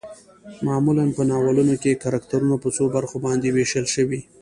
معمولا په ناولونو کې کرکترنه په څو برخو باندې ويشل شوي